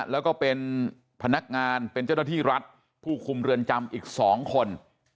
แล้วก็เป็นพนักงานเป็นเจ้าหน้าที่รัฐผู้คุมเรือนจำอีก๒คน